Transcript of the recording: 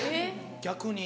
逆に？